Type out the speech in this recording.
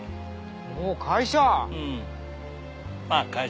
ほう会社？